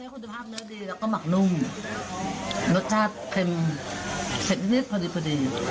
คุณสุภาพเนื้อดีแล้วก็หมักนุ่มรสชาติเค็มเผ็ดนิดพอดีพอดี